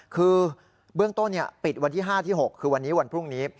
คือเบื้องต้นปิดวันที่๕ที่๖คือวันนี้วันพรุ่งนี้